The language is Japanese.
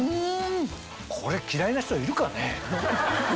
これ嫌いな人いるかね？